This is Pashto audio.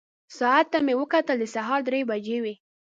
ساعت ته مې وکتل، د سهار درې بجې وې.